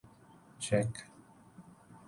check